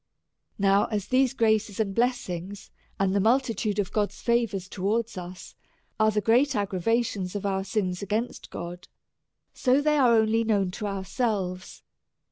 Now as these graces and blessings, and the multi tude of God's favour towards us, are the great aggra vations of our sins against God, so they are only known to ourselves.